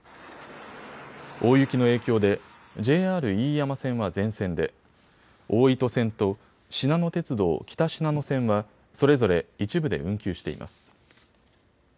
大雪の影響でＪＲ飯山線は全線で、大糸線としなの鉄道北しなの線はそれぞれ一部で運休しています。